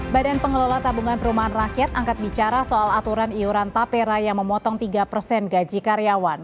badan pengelola tabungan perumahan rakyat angkat bicara soal aturan iuran tapera yang memotong tiga persen gaji karyawan